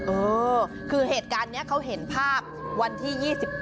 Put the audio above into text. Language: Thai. เออคือเหตุการณ์นี้เขาเห็นภาพวันที่๒๙